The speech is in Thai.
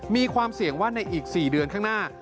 มีความเสี่ยงว่าในอีก๔เดือนข้างหน้า